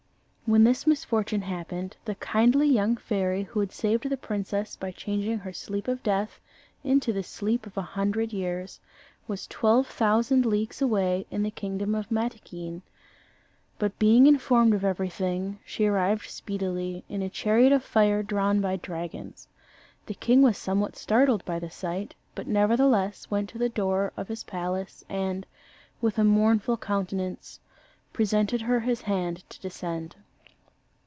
When this misfortune happened, the kindly young fairy who had saved the princess by changing her sleep of death into this sleep of a hundred years, was twelve thousand leagues away in the kingdom of Mataquin. But being informed of everything, she arrived speedily, in a chariot of fire drawn by dragons. The king was somewhat startled by the sight, but nevertheless went to the door of his palace, and, with a mournful countenance, presented her his hand to descend.